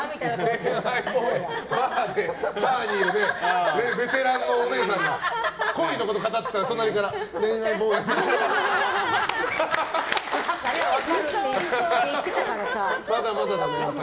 バーにいるベテランのお姉さんが恋のこと語ってたら隣から、恋愛坊やだねって。